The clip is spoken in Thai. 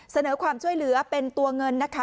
เสนอความช่วยเหลือเป็นตัวเงินนะคะ